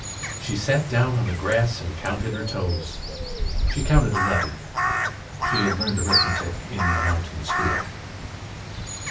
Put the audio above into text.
She sat down on the grass and counted her toes. She counted eleven. She had learned arithmetic in the mountain school.